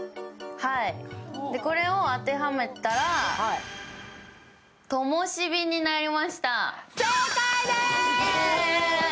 これを当てはめたら、「ともしび」になりました。